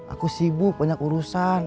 aku sibuk banyak urusan